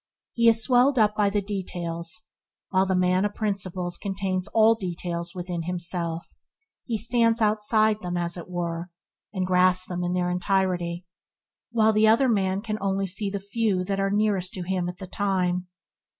He is swelled up by the details, while the man of principles contains all details within himself; he stands outside them, as it were, and grasps them in their entirety, while the other man can only see the few that are nearest to him at the time.